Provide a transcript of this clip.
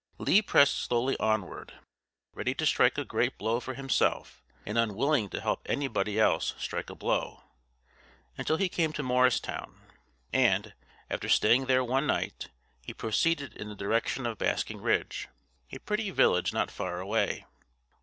Lee pressed slowly onward ready to strike a great blow for himself, and unwilling to help anybody else strike a blow until he came to Morristown; and, after staying there one night, he proceeded in the direction of Basking Ridge, a pretty village not far away.